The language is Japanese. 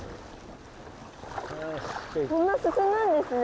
こんなすすむんですね。